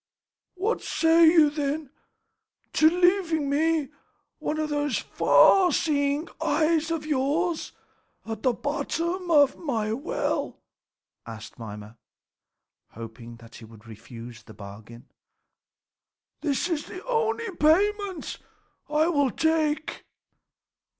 "What say you, then, to leaving one of those far seeing eyes of yours at the bottom of my well?" asked Mimer, hoping that he would refuse the bargain. "This is the only payment I will take."